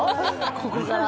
ここから？